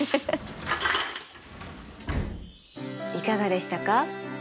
いかがでしたか？